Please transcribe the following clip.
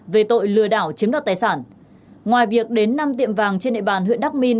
về tội lừa đảo chiếm đoạt tài sản ngoài việc đến năm tiệm vàng trên nệ bàn huyện đắk minh